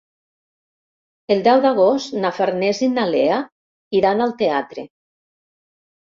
El deu d'agost na Farners i na Lea iran al teatre.